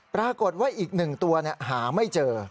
ปรากฏว่าอีก๑ตัวหาไม่เจอ